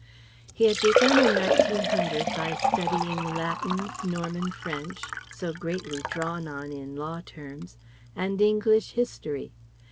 He had begun in 1900 by studying Latin, Norman French so greatly drawn on in law terms and English History.